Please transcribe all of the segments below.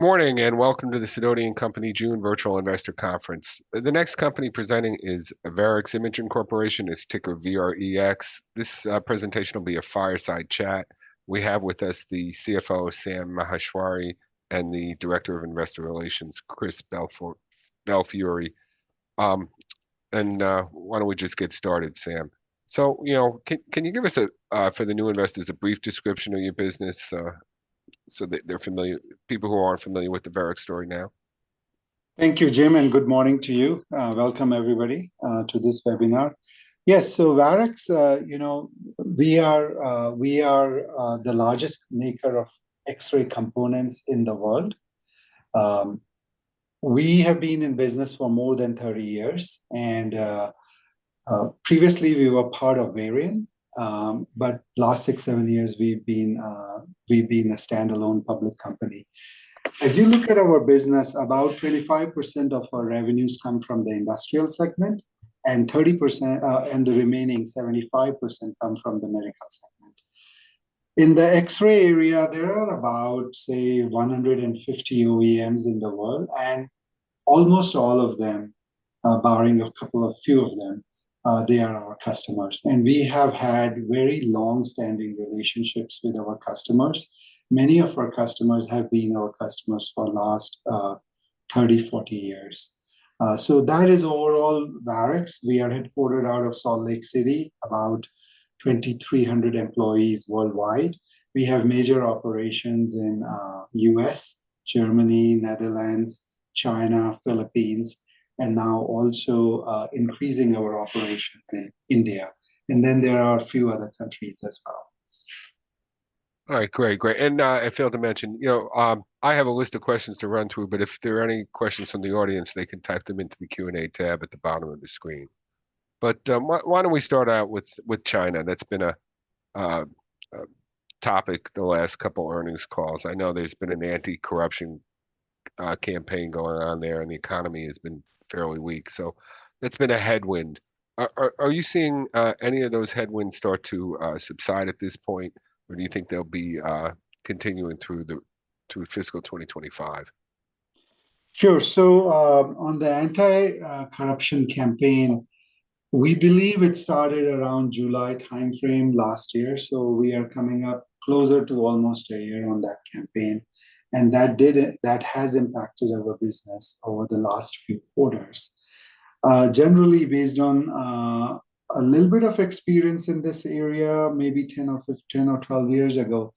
Morning, and welcome to the Sidoti Company June Virtual Investor Conference. The next company presenting is Varex Imaging Corporation, its ticker VREX. This presentation will be a fireside chat. We have with us the CFO, Sam Maheshwari, and the Director of Investor Relations, Chris Belfiore. And why don't we just get started, Sam? So, you know, can you give us, for the new investors, a brief description of your business, so that they're familiar—people who aren't familiar with the Varex story now? Thank you, Jim, and good morning to you. Welcome everybody to this webinar. Yes, so Varex, you know, we are the largest maker of X-ray components in the world. We have been in business for more than 30 years, and previously we were part of Varian. But last 6, 7 years, we've been a standalone public company. As you look at our business, about 25% of our revenues come from the industrial segment, and 30%, and the remaining 75% come from the medical segment. In the X-ray area, there are about, say, 150 OEMs in the world, and almost all of them, barring a couple of few of them, they are our customers. And we have had very long-standing relationships with our customers. Many of our customers have been our customers for last 30, 40 years. So that is overall Varex. We are headquartered out of Salt Lake City, about 2,300 employees worldwide. We have major operations in U.S., Germany, Netherlands, China, Philippines, and now also increasing our operations in India. And then there are a few other countries as well. All right. Great, great. And, I failed to mention, you know, I have a list of questions to run through, but if there are any questions from the audience, they can type them into the Q&A tab at the bottom of the screen. But, why don't we start out with China? That's been a topic the last couple earnings calls. I know there's been an anti-corruption campaign going on there, and the economy has been fairly weak, so that's been a headwind. Are you seeing any of those headwinds start to subside at this point, or do you think they'll be continuing through fiscal 2025? Sure. So, on the anti-corruption campaign, we believe it started around July timeframe last year, so we are coming up closer to almost a year on that campaign, and that has impacted our business over the last few quarters. Generally, based on a little bit of experience in this area, maybe 10 or 12 years ago,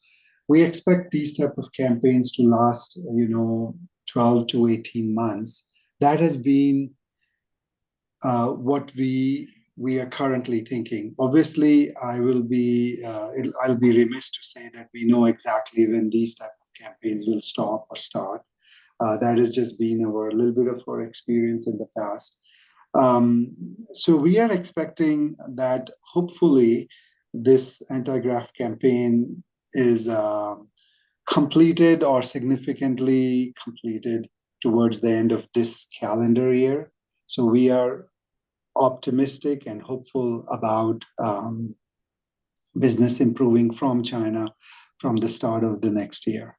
we expect these type of campaigns to last, you know, 12-18 months. That has been what we are currently thinking. Obviously, I'll be remiss to say that we know exactly when these type of campaigns will stop or start. That has just been our, a little bit of our experience in the past. So we are expecting that hopefully, this anti-graft campaign is completed or significantly completed towards the end of this calendar year. So we are optimistic and hopeful about business improving from China from the start of the next year.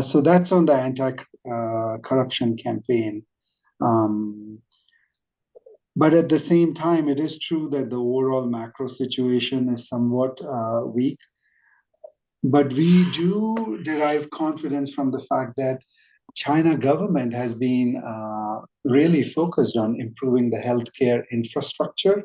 So that's on the anti-corruption campaign. But at the same time, it is true that the overall macro situation is somewhat weak, but we do derive confidence from the fact that China government has been really focused on improving the healthcare infrastructure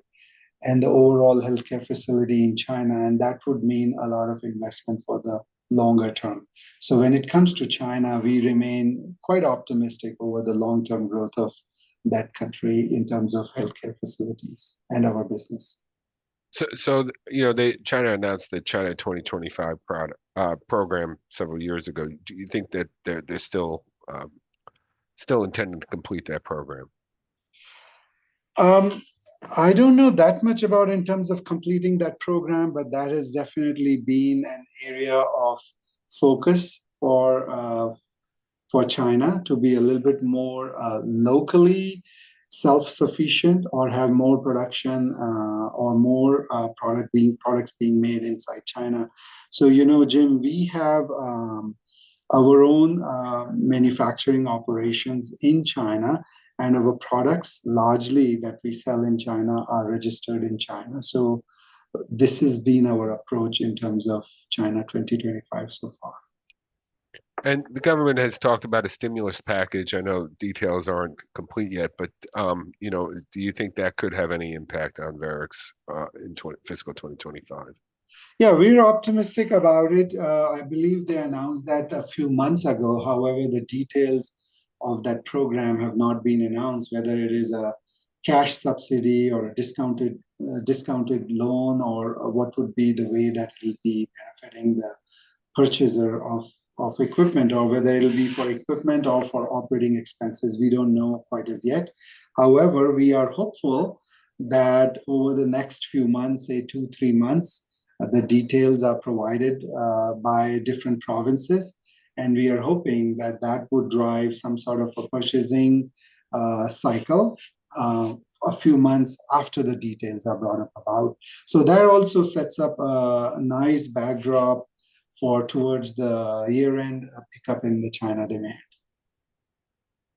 and the overall healthcare facility in China, and that would mean a lot of investment for the longer term. So when it comes to China, we remain quite optimistic over the long-term growth of that country in terms of healthcare facilities and our business. So, you know, they, China announced the Made in China 2025 program several years ago. Do you think that they're still intending to complete that program? I don't know that much about in terms of completing that program, but that has definitely been an area of focus for for China, to be a little bit more, locally self-sufficient or have more production, or more, product being, products being made inside China. So, you know, Jim, we have, our own, manufacturing operations in China, and our products, largely, that we sell in China, are registered in China. So this has been our approach in terms of China 2025 so far. The government has talked about a stimulus package. I know details aren't complete yet, but, you know, do you think that could have any impact on Varex in fiscal 2025? Yeah, we are optimistic about it. I believe they announced that a few months ago. However, the details of that program have not been announced, whether it is a cash subsidy or a discounted loan, or what would be the way that will be benefiting the purchaser of equipment, or whether it'll be for equipment or for operating expenses, we don't know quite as yet. However, we are hopeful that over the next few months, say, two, three months, the details are provided by different provinces, and we are hoping that that would drive some sort of a purchasing cycle a few months after the details are brought about. So that also sets up a nice backdrop for towards the year-end, a pickup in the China demand.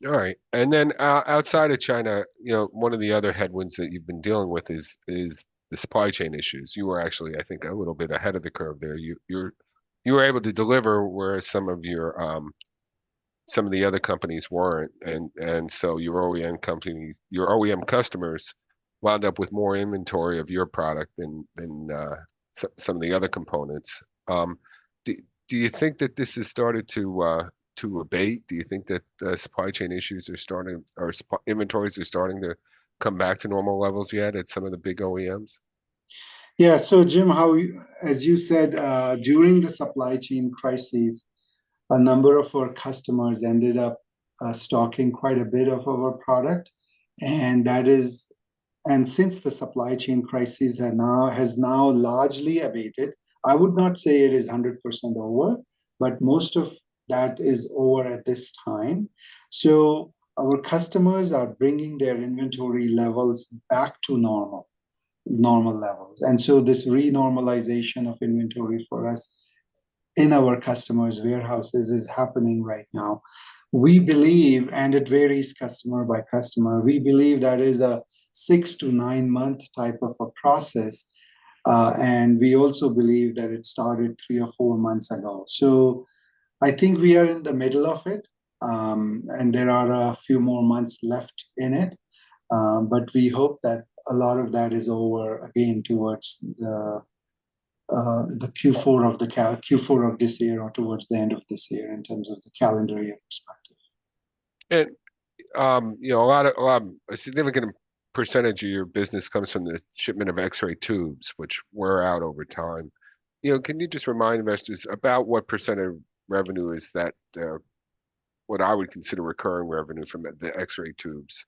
All right. And then, outside of China, you know, one of the other headwinds that you've been dealing with is the supply chain issues. You were actually, I think, a little bit ahead of the curve there. You were able to deliver, where some of your, some of the other companies weren't, and so your OEM companies, your OEM customers wound up with more inventory of your product than some of the other components. Do you think that this has started to abate? Do you think that the supply chain issues are starting, or supplier inventories are starting to come back to normal levels yet at some of the big OEMs? Yeah. So Jim, as you said, during the supply chain crisis, a number of our customers ended up stocking quite a bit of our product, and that is. And since the supply chain crisis are now, has now largely abated, I would not say it is 100% over, but most of that is over at this time. So our customers are bringing their inventory levels back to normal, normal levels. And so this renormalization of inventory for us in our customers' warehouses is happening right now. We believe, and it varies customer by customer, we believe that is a 6- to 9-month type of a process, and we also believe that it started 3 or 4 months ago. So I think we are in the middle of it, and there are a few more months left in it. But we hope that a lot of that is over, again, towards the Q4 of this year, or towards the end of this year in terms of the calendar year perspective. You know, a lot of a significant percentage of your business comes from the shipment of X-ray tubes, which wear out over time. You know, can you just remind investors about what percent of revenue is that, what I would consider recurring revenue from the X-ray tubes?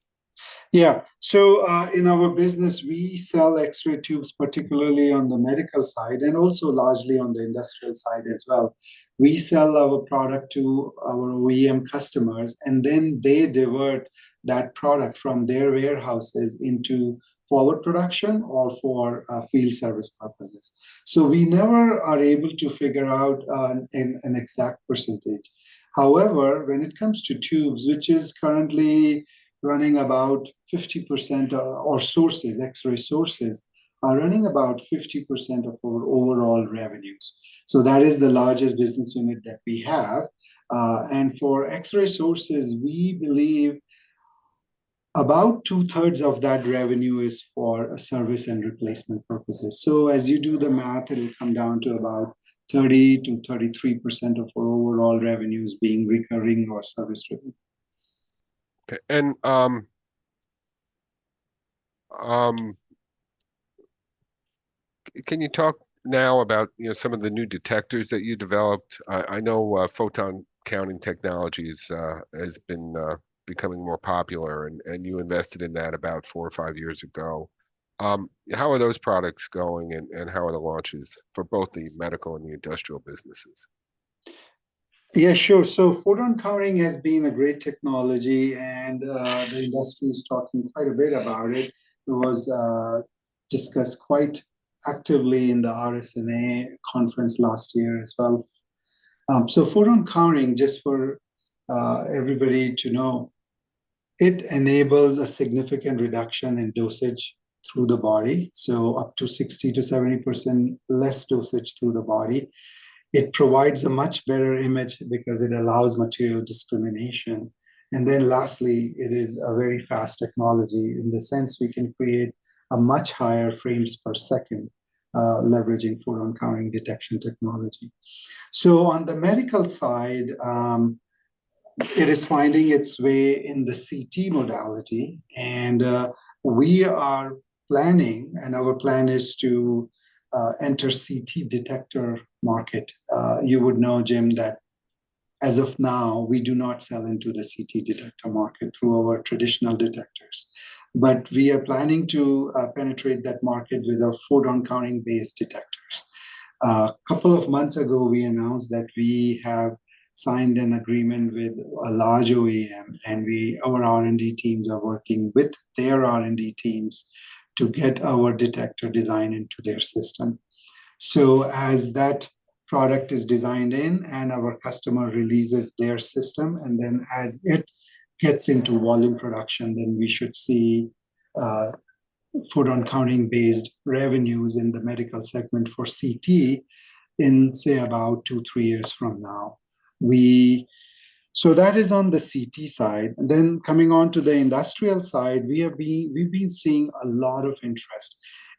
Yeah. So, in our business, we sell X-ray tubes, particularly on the medical side, and also largely on the industrial side as well. We sell our product to our OEM customers, and then they divert that product from their warehouses into forward production or for field service purposes. So we never are able to figure out an exact percentage. However, when it comes to tubes, which is currently running about 50%, or sources, X-ray sources, are running about 50% of our overall revenues. So that is the largest business unit that we have. And for X-ray sources, we believe about two-thirds of that revenue is for service and replacement purposes. So as you do the math, it'll come down to about 30%-33% of our overall revenues being recurring or service-driven. Okay, and, can you talk now about, you know, some of the new detectors that you developed? I know photon counting technologies has been becoming more popular, and you invested in that about 4 or 5 years ago. How are those products going, and how are the launches for both the medical and the industrial businesses? Yeah, sure. So photon counting has been a great technology, and the industry is talking quite a bit about it. It was discussed quite actively in the RSNA conference last year as well. So photon counting, just for everybody to know, it enables a significant reduction in dosage through the body, so up to 60%-70% less dosage through the body. It provides a much better image because it allows material discrimination. And then lastly, it is a very fast technology in the sense we can create a much higher frames per second leveraging photon counting detection technology. So on the medical side, it is finding its way in the CT modality, and we are planning, and our plan is to enter CT detector market. You would know, Jim, that as of now, we do not sell into the CT detector market through our traditional detectors, but we are planning to penetrate that market with our photon counting-based detectors. Couple of months ago, we announced that we have signed an agreement with a large OEM, and we, our R&D teams are working with their R&D teams to get our detector design into their system. So as that product is designed in and our customer releases their system, and then as it gets into volume production, then we should see photon counting-based revenues in the medical segment for CT in, say, about 2-3 years from now. So that is on the CT side. Then coming on to the industrial side, we've been seeing a lot of interest,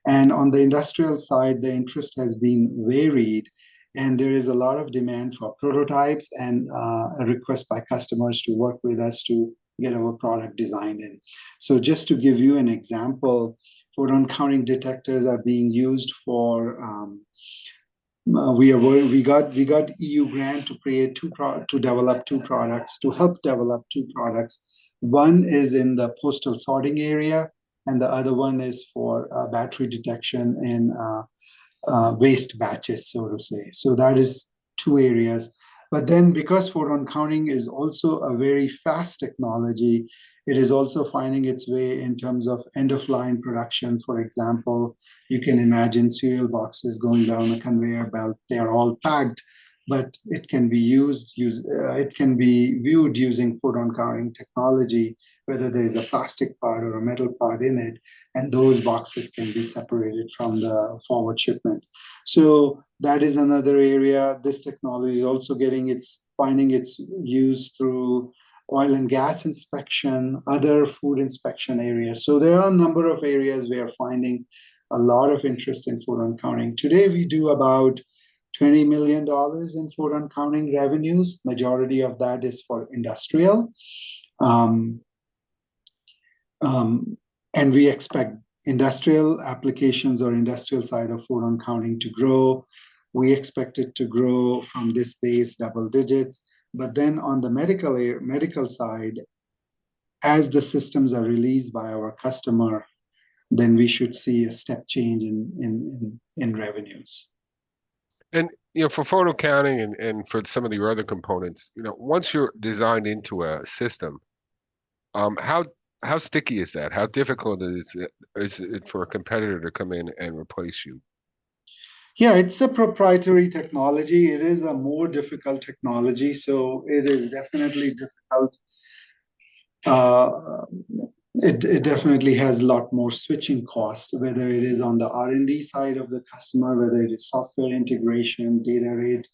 and on the industrial side, the interest has been varied, and there is a lot of demand for prototypes and a request by customers to work with us to get our product designed in. So just to give you an example, photon counting detectors are being used for. We got EU grant to develop two products, to help develop two products. One is in the postal sorting area, and the other one is for battery detection and waste batteries, so to say. So that is two areas. But then because photon counting is also a very fast technology, it is also finding its way in terms of end-of-line production. For example, you can imagine cereal boxes going down a conveyor belt. They're all tagged, but it can be used, it can be viewed using photon counting technology, whether there's a plastic part or a metal part in it, and those boxes can be separated from the forward shipment. So that is another area. This technology is also finding its use through oil and gas inspection, other food inspection areas. So there are a number of areas we are finding a lot of interest in photon counting. Today, we do about $20 million in photon counting revenues. Majority of that is for industrial. And we expect industrial applications or industrial side of photon counting to grow. We expect it to grow from this base double digits. But then on the medical side, as the systems are released by our customer, then we should see a step change in revenues. You know, for photon counting and for some of your other components, you know, once you're designed into a system, how sticky is that? How difficult is it for a competitor to come in and replace you? Yeah, it's a proprietary technology. It is a more difficult technology, so it is definitely difficult. It definitely has a lot more switching cost, whether it is on the R&D side of the customer, whether it is software integration, data read,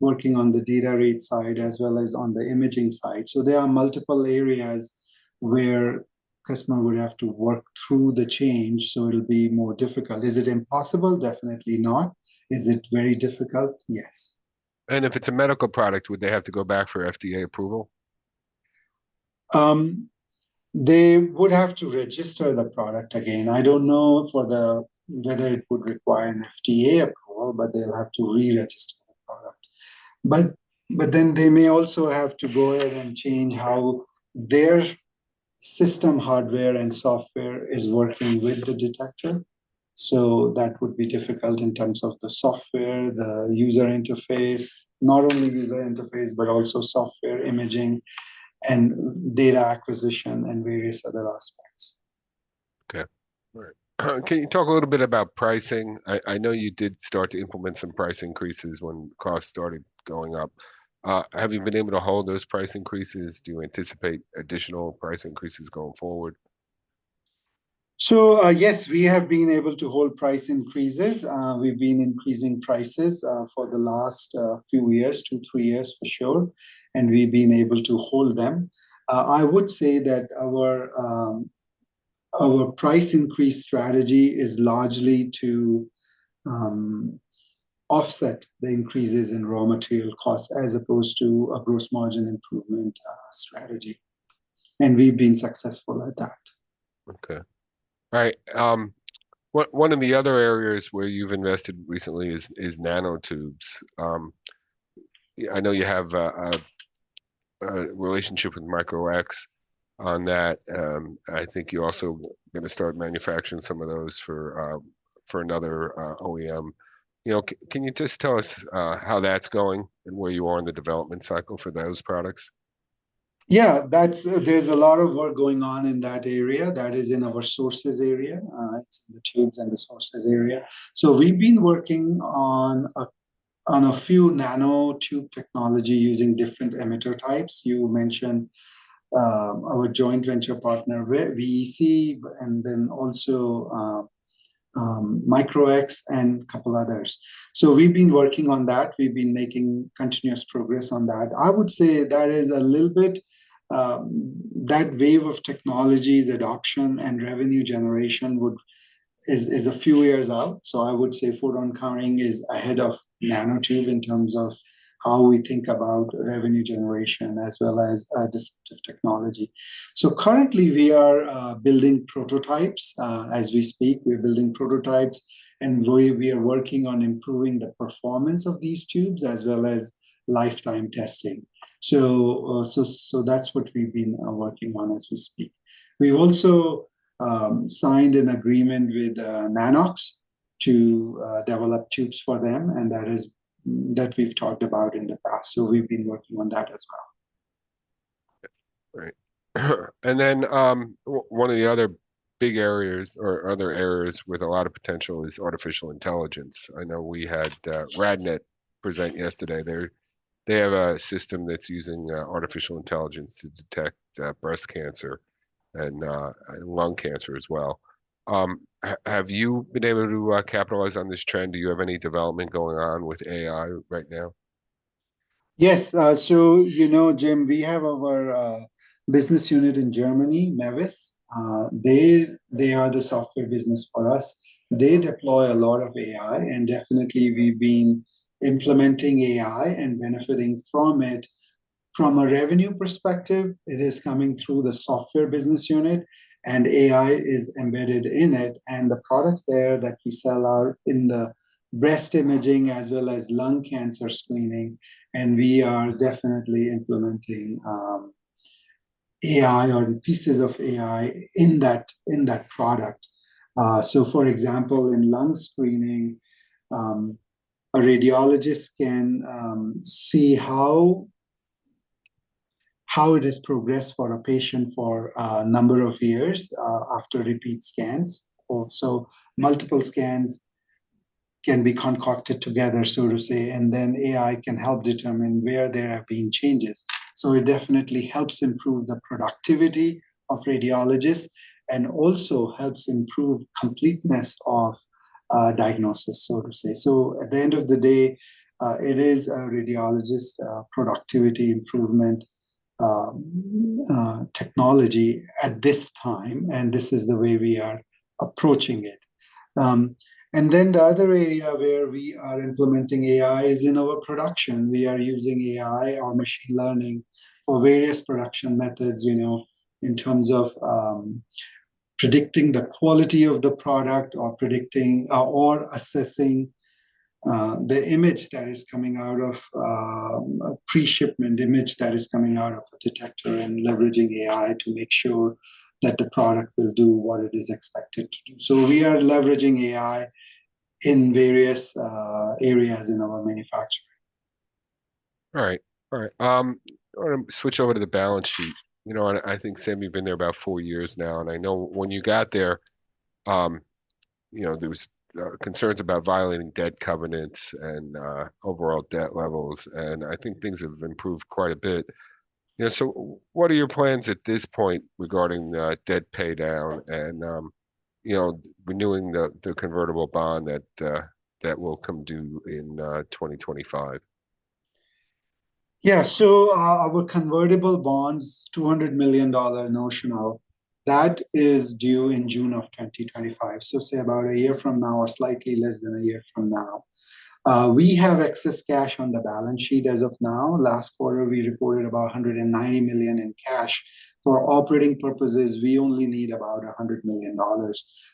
working on the data read side, as well as on the imaging side. So there are multiple areas where customer would have to work through the change, so it'll be more difficult. Is it impossible? Definitely not. Is it very difficult? Yes. If it's a medical product, would they have to go back for FDA approval? They would have to register the product again. I don't know whether it would require an FDA approval, but they'll have to re-register the product. But then they may also have to go ahead and change how their system hardware and software is working with the detector, so that would be difficult in terms of the software, the user interface. Not only user interface, but also software imaging and data acquisition, and various other aspects. Okay. All right. Can you talk a little bit about pricing? I know you did start to implement some price increases when costs started going up. Have you been able to hold those price increases? Do you anticipate additional price increases going forward? So, yes, we have been able to hold price increases. We've been increasing prices for the last few years, two, three years for sure, and we've been able to hold them. I would say that our price increase strategy is largely to offset the increases in raw material costs as opposed to a gross margin improvement strategy, and we've been successful at that. Okay. All right, one of the other areas where you've invested recently is nanotubes. I know you have a relationship with Micro-X on that. I think you're also gonna start manufacturing some of those for another OEM. You know, can you just tell us how that's going and where you are in the development cycle for those products? Yeah, that's, there's a lot of work going on in that area. That is in our sources area, it's in the tubes and the sources area. So we've been working on a few nanotube technology using different emitter types. You mentioned our joint venture partner, VEC, and then also Micro-X, and a couple others. So we've been working on that. We've been making continuous progress on that. I would say that is a little bit, that wave of technology, adoption, and revenue generation is a few years out. So I would say photon counting is ahead of nanotube in terms of how we think about revenue generation, as well as this technology. So currently, we are building prototypes. As we speak, we're building prototypes, and we are working on improving the performance of these tubes, as well as lifetime testing. So, that's what we've been working on as we speak. We've also signed an agreement with Nano-X to develop tubes for them, and that is, that we've talked about in the past, so we've been working on that as well. Right. And then, one of the other big areas or other areas with a lot of potential is artificial intelligence. I know we had, RadNet present yesterday. They have a system that's using, artificial intelligence to detect, breast cancer and, and lung cancer as well. Have you been able to, capitalize on this trend? Do you have any development going on with AI right now? Yes. So you know, Jim, we have our business unit in Germany, MeVis. They are the software business for us. They deploy a lot of AI, and definitely we've been implementing AI and benefiting from it. From a revenue perspective, it is coming through the software business unit, and AI is embedded in it, and the products there that we sell are in the breast imaging as well as lung cancer screening, and we are definitely implementing AI or pieces of AI in that product. So for example, in lung screening, a radiologist can see how it has progressed for a patient for a number of years after repeat scans. Or so multiple scans can be concocted together, so to say, and then AI can help determine where there have been changes. So it definitely helps improve the productivity of radiologists, and also helps improve completeness of diagnosis, so to say. So at the end of the day, it is a radiologist productivity improvement technology at this time, and this is the way we are approaching it. And then the other area where we are implementing AI is in our production. We are using AI or machine learning for various production methods, you know, in terms of predicting the quality of the product or predicting or assessing the image that is coming out of a pre-shipment image that is coming out of a detector, and leveraging AI to make sure that the product will do what it is expected to do. So we are leveraging AI in various areas in our manufacturing. All right. All right, I wanna switch over to the balance sheet. You know, and I think, Sam, you've been there about four years now, and I know when you got there, you know, there was concerns about violating debt covenants and overall debt levels, and I think things have improved quite a bit. Yeah, so what are your plans at this point regarding debt pay down and you know, renewing the convertible bond that will come due in 2025? Yeah. So, our convertible bonds, $200 million notional, that is due in June of 2025, so say about a year from now or slightly less than a year from now. We have excess cash on the balance sheet as of now. Last quarter, we reported about $190 million in cash. For operating purposes, we only need about $100 million,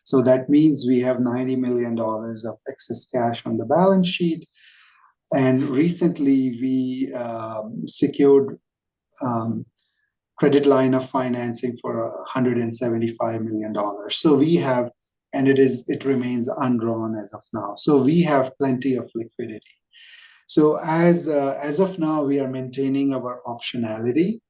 so that means we have $90 million of excess cash on the balance sheet. And recently, we secured credit line of financing for $175 million. So we have. And it remains undrawn as of now, so we have plenty of liquidity. So as of now, we are maintaining our optionality.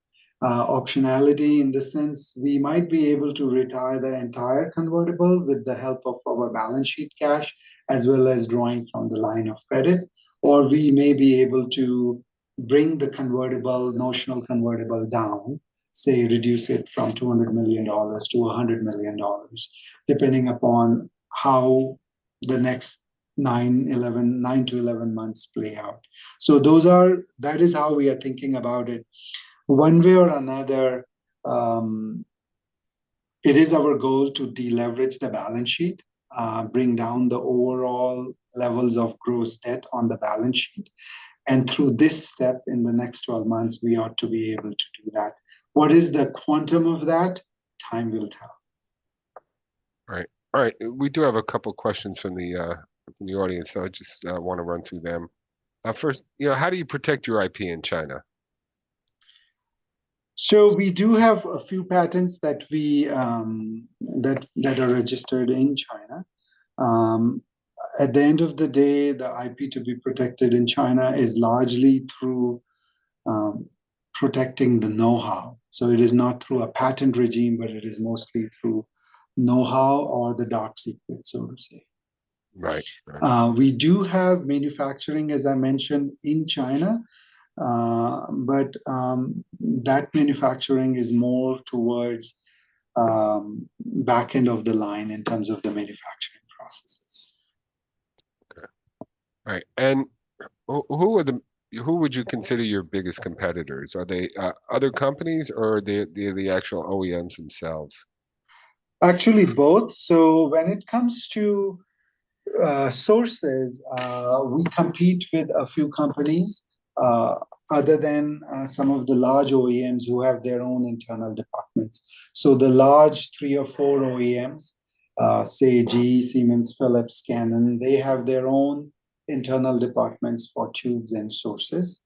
Optionality in the sense we might be able to retire the entire convertible with the help of our balance sheet cash, as well as drawing from the line of credit. Or we may be able to bring the convertible, notional convertible down, say reduce it from $200 million to $100 million, depending upon how the next 9-11 months play out. That is how we are thinking about it. One way or another, it is our goal to deleverage the balance sheet, bring down the overall levels of gross debt on the balance sheet, and through this step, in the next 12 months, we ought to be able to do that. What is the quantum of that? Time will tell. Right. All right, we do have a couple questions from the audience, so I just wanna run through them. First, you know, how do you protect your IP in China? So we do have a few patents that are registered in China. At the end of the day, the IP to be protected in China is largely through protecting the know-how. So it is not through a patent regime, but it is mostly through know-how or the dark secrets, so to say. Right. Right. We do have manufacturing, as I mentioned, in China. But that manufacturing is more towards, back end of the line in terms of the manufacturing processes. Okay. All right, and who are the, who would you consider your biggest competitors? Are they, other companies or are they, the, the actual OEMs themselves? Actually, both. So when it comes to sources, we compete with a few companies other than some of the large OEMs who have their own internal departments. So the large three or four OEMs, say GE, Siemens, Philips, Canon, they have their own internal departments for tubes and sources.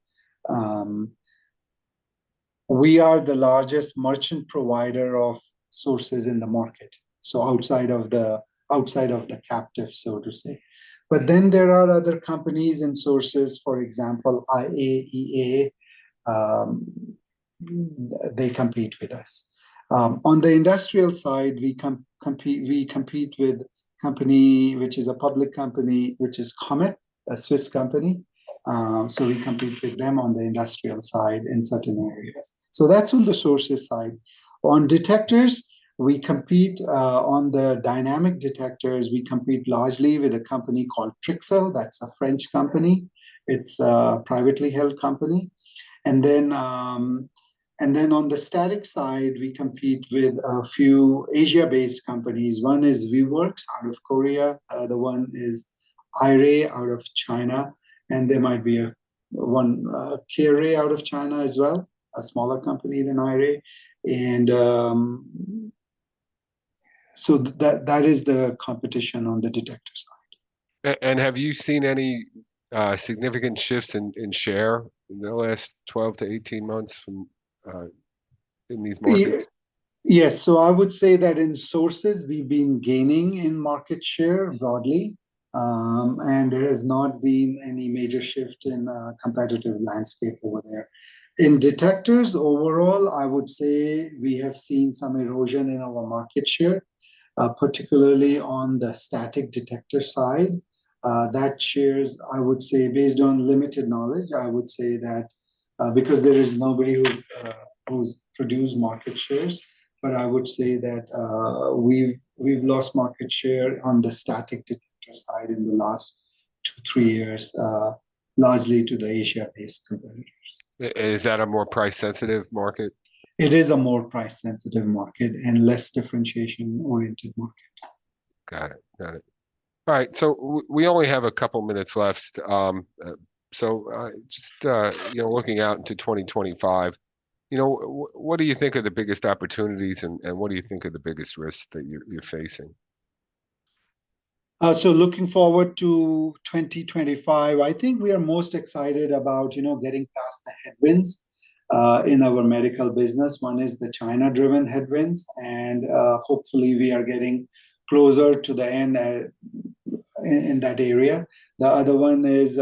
We are the largest merchant provider of sources in the market, so outside of the, outside of the captive, so to say. But then there are other companies and sources, for example, IAE, they compete with us. On the industrial side, we compete with company, which is a public company, which is Comet, a Swiss company. So we compete with them on the industrial side in certain areas. So that's on the sources side. On detectors, we compete on the dynamic detectors. We compete largely with a company called Trixell. That's a French company. It's a privately held company. And then on the static side, we compete with a few Asia-based companies. One is Vieworks, out of Korea, the one is iRay, out of China, and there might be one, CareRay out of China as well, a smaller company than iRay. So that is the competition on the detector side. Have you seen any significant shifts in share in the last 12-18 months from in these markets? Yeah, yes, so I would say that in sources, we've been gaining in market share broadly. There has not been any major shift in competitive landscape over there. In detectors, overall, I would say we have seen some erosion in our market share, particularly on the static detector side. That shares, I would say, based on limited knowledge, I would say that because there is nobody who's who's published market shares, but I would say that we've lost market share on the static detector side in the last 2-3 years, largely to the Asia-based competitors. Is that a more price-sensitive market? It is a more price-sensitive market and less differentiation-oriented market. Got it. Got it. All right, so we only have a couple minutes left. So, just, you know, looking out into 2025, you know, what do you think are the biggest opportunities, and what do you think are the biggest risks that you're facing? So looking forward to 2025, I think we are most excited about, you know, getting past the headwinds in our medical business. One is the China-driven headwinds, and hopefully we are getting closer to the end in that area. The other one is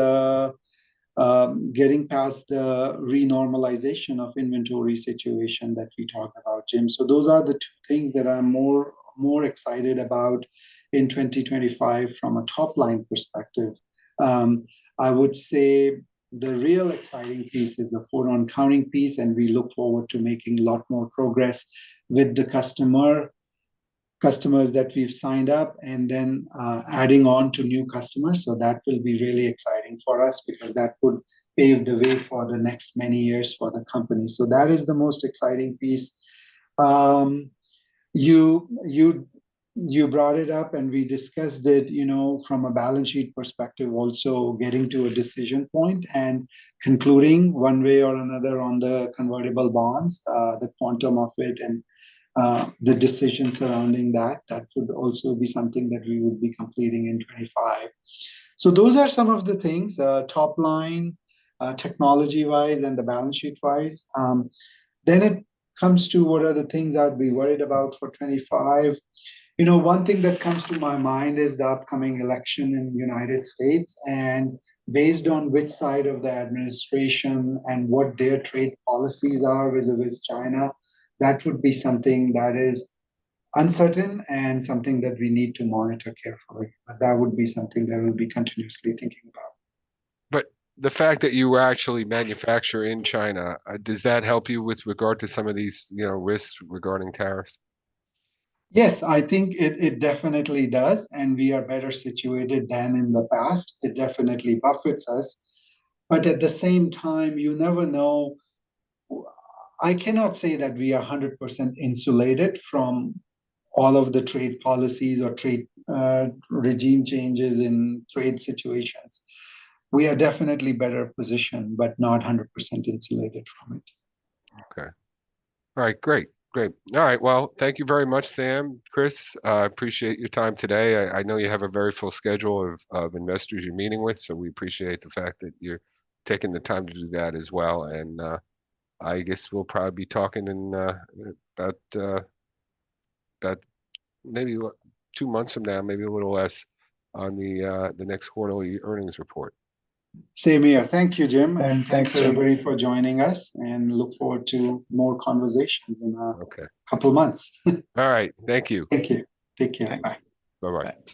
getting past the renormalization of inventory situation that we talked about, Jim. So those are the two things that I'm more excited about in 2025 from a top-line perspective. I would say the real exciting piece is the photon count piece, and we look forward to making a lot more progress with the customers that we've signed up, and then adding on to new customers. So that will be really exciting for us, because that would pave the way for the next many years for the company. So that is the most exciting piece. You brought it up and we discussed it, you know, from a balance sheet perspective, also getting to a decision point and concluding one way or another on the convertible bonds, the quantum of it, and the decision surrounding that. That would also be something that we would be completing in 2025. So those are some of the things, top line, technology-wise and the balance sheet-wise. Then it comes to what are the things I'd be worried about for 2025. You know, one thing that comes to my mind is the upcoming election in the United States, and based on which side of the administration and what their trade policies are with China, that would be something that is uncertain and something that we need to monitor carefully. But that would be something that we'll be continuously thinking about. The fact that you actually manufacture in China, does that help you with regard to some of these, you know, risks regarding tariffs? Yes, I think it definitely does, and we are better situated than in the past. It definitely buffets us, but at the same time, you never know. I cannot say that we are 100% insulated from all of the trade policies or trade regime changes in trade situations. We are definitely better positioned, but not 100% insulated from it. Okay. All right, great, great. All right, well, thank you very much, Sam, Chris. I appreciate your time today. I know you have a very full schedule of investors you're meeting with, so we appreciate the fact that you're taking the time to do that as well. I guess we'll probably be talking in about maybe two months from now, maybe a little less, on the next quarterly earnings report. Same here. Thank you, Jim, and thanks, everybody, for joining us, and look forward to more conversations in a. Okay Couple months. All right. Thank you. Thank you. Take care. Bye. Bye-bye.